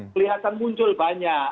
kelihatan muncul banyak